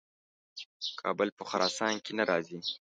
کابل په خراسان کې نه راځي.